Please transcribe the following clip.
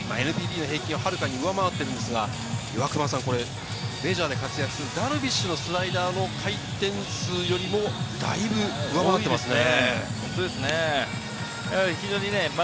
ＮＰＢの平均を上回っていますが、メジャーで活躍するダルビッシュのスライダーの回転数よりもだいぶ上回っていますね。